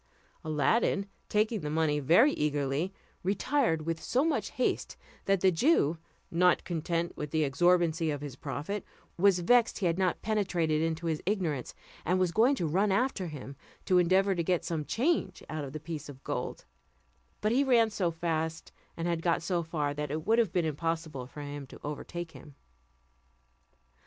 Aladdin, taking the money very eagerly, retired with so much haste, that the Jew, not content with the exorbitancy of his profit, was vexed he had not penetrated into his ignorance, and was going to run after him, to endeavour to get some change out of the piece of gold; but he ran so fast, and had got so far, that it would have been impossible for him to overtake him.